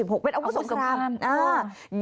เป็นอาวุธสำคัญ